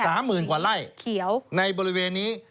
สามหมื่นกว่าไล่ในบริเวณนี้